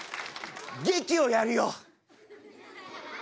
劇をやるよ！